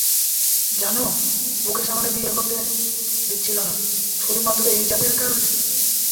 জানো, মুকেশ আমাকে বিয়ে করতে দিচ্ছিলো না, শুধুমাত্র এই জাতের কারণে।